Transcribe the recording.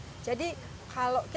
pertempat o diberikan alice